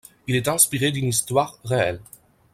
Il est inspiré d'une histoire réelle.